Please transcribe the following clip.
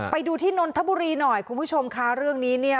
ไปดูที่นนทบุรีหน่อยคุณผู้ชมค่ะเรื่องนี้เนี่ย